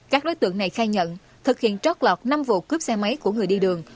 các đối tượng này khai nhận thực hiện trót lọt năm vụ cướp xe máy của người đi đường